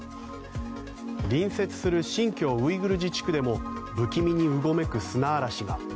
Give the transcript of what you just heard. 隣接する新疆ウイグル自治区でも不気味にうごめく砂嵐が。